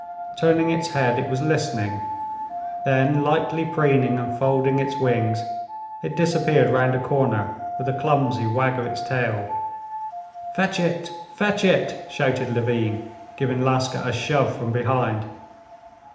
Turning its head, it was listening. Then lightly preening and folding its wings, it disappeared round a corner with a clumsy wag of its tail. "Fetch it, fetch it!" shouted Levin, giving Laska a shove from behind.